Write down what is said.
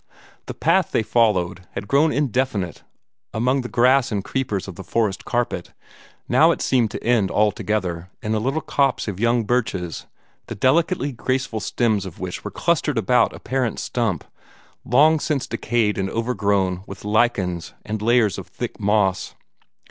The path they followed had grown indefinite among the grass and creepers of the forest carpet; now it seemed to end altogether in a little copse of young birches, the delicately graceful stems of which were clustered about a parent stump, long since decayed and overgrown with lichens and layers of thick moss.